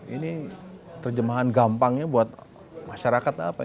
ini terjemahan gampangnya buat masyarakat apa ya